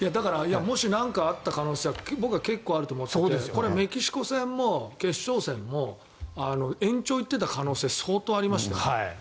もし何かあった可能性は僕は、あると思っていてこれ、メキシコ戦も決勝戦も延長に行っていた可能性相当ありましたよ。